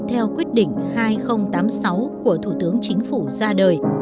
theo quyết định hai nghìn tám mươi sáu của thủ tướng chính phủ ra đời